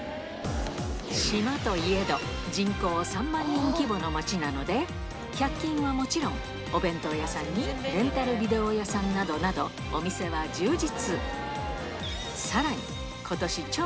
島といえど人口３万人規模の町なので１００均はもちろんお弁当屋さんにレンタルビデオ屋さんなどなどお店は充実